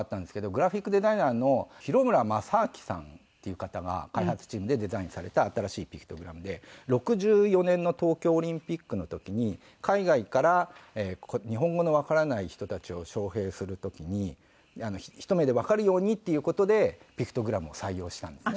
グラフィックデザイナーの廣村正彰さんっていう方が開発チームでデザインされた新しいピクトグラムで６４年の東京オリンピックの時に海外から日本語のわからない人たちを招聘する時にひと目でわかるようにっていう事でピクトグラムを採用したんですね。